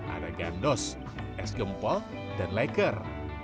ada gandos es gempol dan leker